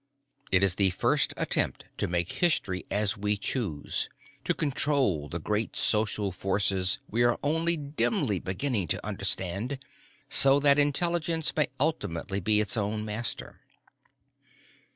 It is the first attempt to make history as we choose, to control the great social forces we are only dimly beginning to understand, so that intelligence may ultimately be its own master.